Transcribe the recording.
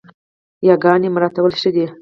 ياګاني مراعتول ښه دي